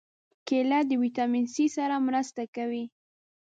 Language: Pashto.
کېله د ویټامین C سره مرسته کوي.